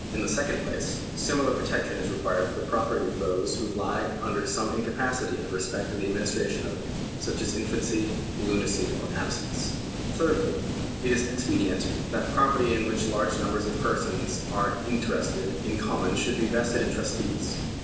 § 90] OWNERSHIP 229 second place, similar protection is required for the property of those who lie under some incapacity in respect of the adminis tration of it, such as infancy, lunacy, or absence. Thirdly', it is expedient that property in which large numbers of persons are interested in common should be vested in trustees.